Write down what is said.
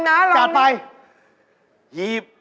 นาลังทองดิ